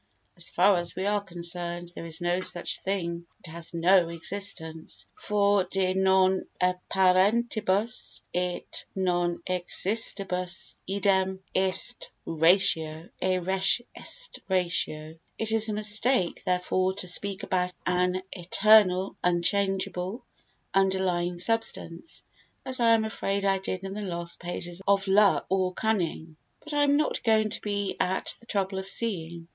As far as we are concerned there is no such thing: it has no existence: for de non apparentibus et non existentibus eadem est ratio. It is a mistake, therefore, to speak about an "eternal unchangeable underlying substance" as I am afraid I did in the last pages of Luck or Cunning? but I am not going to be at the trouble of seeing.